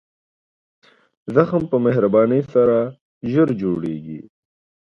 زخم په مهربانۍ سره ژر جوړېږي.